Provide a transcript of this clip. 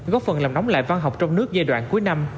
góp phần làm nóng lại văn học trong nước giai đoạn cuối năm